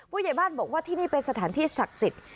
ผู้ใหญ่บ้านบอกว่าที่นี่เป็นสถานที่ศักดิ์สิทธิ์